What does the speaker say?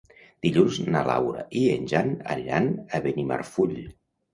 Dilluns na Laura i en Jan aniran a Benimarfull.